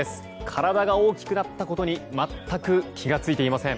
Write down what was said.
体が大きくなったことに全く気が付いていません。